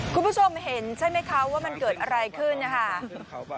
คุณผู้ชมเห็นใช่ไหมคะว่ามันเกิดอะไรขึ้นนะคะ